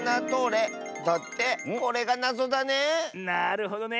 なるほどね。